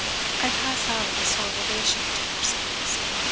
I pass out of the sore relation to persons.